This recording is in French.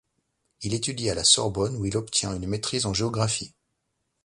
Il étudie à la Sorbonne où il obtient une maîtrise en géographie.